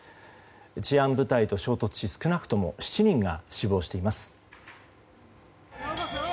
治安部隊と衝突し少なくとも７人が死亡しています。